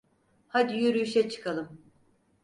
Hadi yürüyüşe çıkalım.